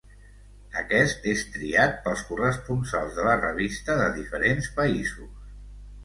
Aquest és triat pels corresponsals de la revista de diferents països.